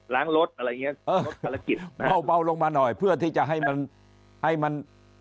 ล้างรถอะไรอย่างนี้ลดภารกิจเป้าลงมาหน่อยเพื่อที่จะให้มัน